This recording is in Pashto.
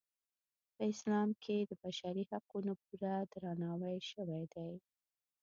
په اسلام کې د بشري حقونو پوره درناوی شوی دی.